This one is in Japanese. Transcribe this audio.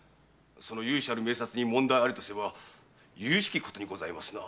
由緒ある名刹に問題ありとすれば由々しきことにございますな。